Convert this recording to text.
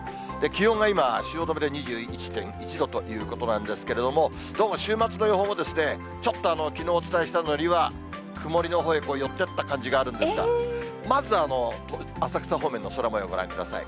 気温が今、汐留で２１．１度ということなんですけれども、どうも週末の予報も、ちょっときのうお伝えしたのよりは、曇りのほうへ寄ってった感じがあるんですが、まず、浅草方面の空もよう、ご覧ください。